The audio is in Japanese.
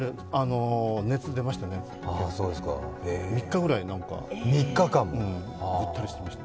熱出ましたね、３日ぐらい、ぐったりしていました。